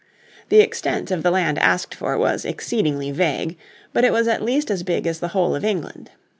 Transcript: The extent of the land asked for was exceedingly vague, but it was at least as big as the whole of England.